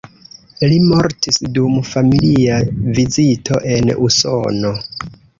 Li mortis dum familia vizito en Usono.